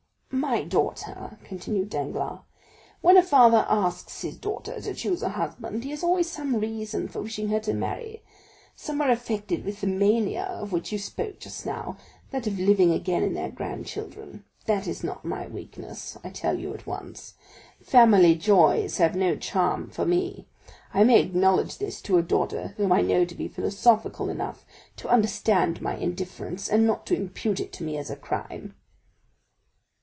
"My daughter," continued Danglars, "when a father asks his daughter to choose a husband, he has always some reason for wishing her to marry. Some are affected with the mania of which you spoke just now, that of living again in their grandchildren. This is not my weakness, I tell you at once; family joys have no charm for me. I may acknowledge this to a daughter whom I know to be philosophical enough to understand my indifference, and not to impute it to me as a crime."